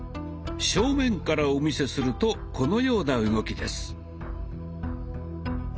正面からお見せするとこのような動きです。